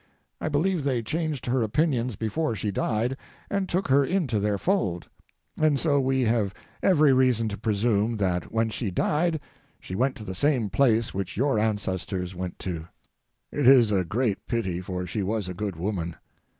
I believe they changed her opinions before she died, and took her into their fold; and so we have every reason to presume that when she died she went to the same place which your ancestors went to. It is a great pity, for she was a good woman.